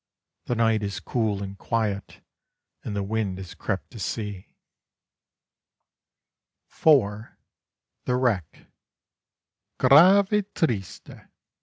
The night is cool and quiet and the wind has crept to sea. (4) THE WRECK _Grave: triste.